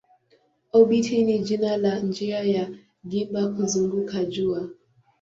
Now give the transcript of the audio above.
Obiti ni jina la njia ya gimba kuzunguka jua.